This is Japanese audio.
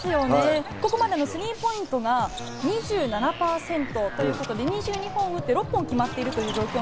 ここまでのスリーポイントが２７％ということで２２本を打って、６本決まっています。